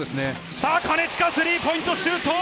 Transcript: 金近、スリーポイントシュート！